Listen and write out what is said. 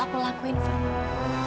aku lakukan fadl